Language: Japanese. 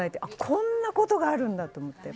こんなことがあるんだと思って。